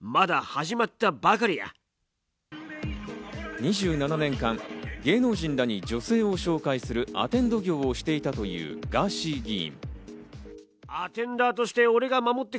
２７年間、芸能人らに女性を紹介するアテンド業をしていたというガーシー議員。